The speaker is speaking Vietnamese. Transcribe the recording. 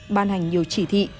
bàn hành nhiều chỉ thị